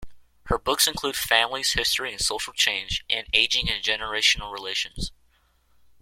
Her books include "Families, History and Social Change" and "Aging and Generational Relations".